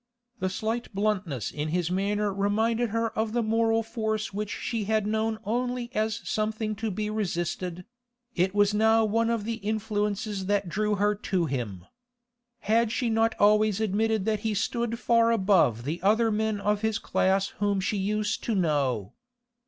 The slight bluntness in his manner reminded her of the moral force which she had known only as something to be resisted; it was now one of the influences that drew her to him. Had she not always admitted that he stood far above the other men of his class whom she used to know?